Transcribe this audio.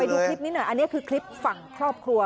ดูคลิปนี้หน่อยอันนี้คือคลิปฝั่งครอบครัว